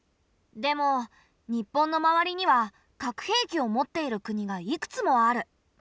でも日本の周りには核兵器を持っている国がいくつもある。